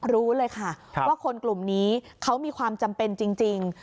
รู้เลยค่ะว่าคนกลุ่มนี้เขามีความจำเป็นจริง